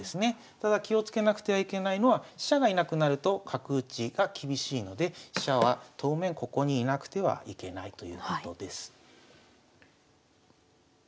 ただ気をつけなくてはいけないのは飛車が居なくなると角打ちが厳しいので飛車は当面ここに居なくてはいけないということです。